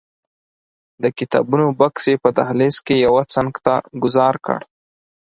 د کتابونو بکس یې په دهلیز کې یوه څنګ ته ګوزار کړ.